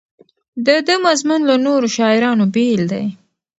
د ده مضمون له نورو شاعرانو بېل دی.